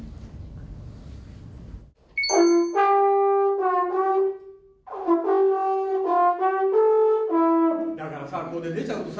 課題曲だからさここで出ちゃうとさ。